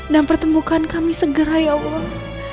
dan pertemukan kami segera ya allah